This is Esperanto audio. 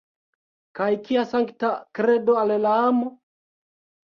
Kaj kia sankta kredo al la amo!